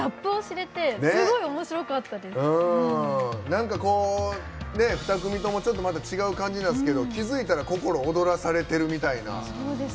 何かこう２組ともちょっとまた違う感じなんですけど気付いたら心躍らされてるみたいな。